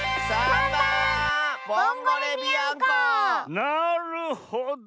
なるほど！